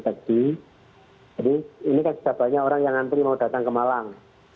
jadi ini kata katanya orang yang nanti mau datang ke malang